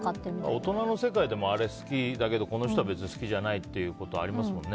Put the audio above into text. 大人の世界でもあれ好きだけどこの人は別に好きじゃないっていうことはありますもんね。